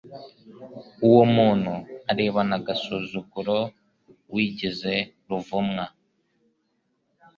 Uwo muntu arebana agasuzuguro uwigize ruvumwa